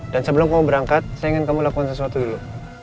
dan sebelum kamu berangkat saya ingin kamu lakukan sesuatu dulu